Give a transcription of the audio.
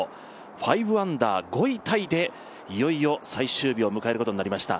５アンダー、５位タイでいよいよ最終日を迎えることになりました。